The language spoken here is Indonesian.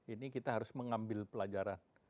ini kita harus mengambil pelajaran